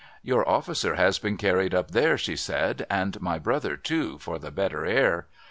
'Your officer has been carried up there,' she said, 'and my brother, too, for the better air.